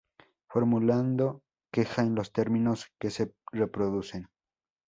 formulando queja en los términos que se reproducen